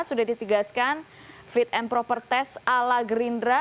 sudah ditegaskan fit and proper test ala gerindra